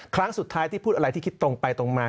ครั้งสุดท้ายที่พูดอะไรที่คิดตรงไปตรงมา